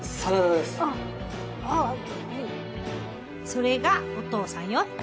それがお父さんよ。